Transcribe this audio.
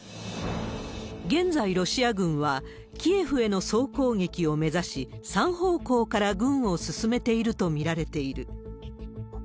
現在、ロシア軍はキエフへの総攻撃を目指し、３方向から軍を進めていると見られている。